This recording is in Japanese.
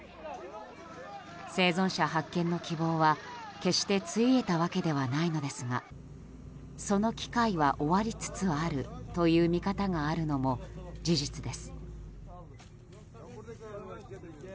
生存者発見の希望は決してついえたわけではないのですがその機会は終わりつつあるという見方があるのも事実です。